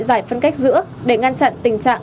giải phân cách giữa để ngăn chặn tình trạng